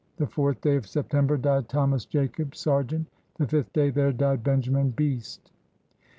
The fourth day of September died Thomas Jacob, Sergeant. The fifth day there died Benjamin Beast.